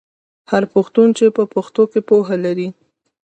هر پښتون چې په پښتو کې پوهه لري.